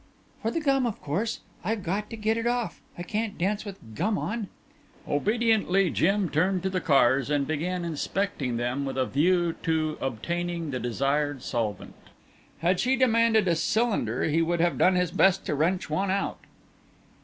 "For the gum of course. I've got to get it off. I can't dance with gum on." Obediently Jim turned to the cars and began inspecting them with a view to obtaining the desired solvent. Had she demanded a cylinder he would have done his best to wrench one out.